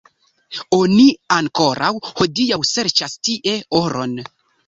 Oni ankoraŭ hodiaŭ serĉas tie oron.